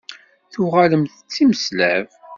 Tuɣalemt d timeslab?